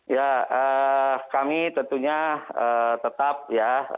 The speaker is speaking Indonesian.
ya kami tentunya tetap ya